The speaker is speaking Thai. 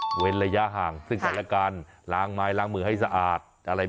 เว้นระยะห่างซึ่งกันและกันล้างไม้ล้างมือให้สะอาดอะไร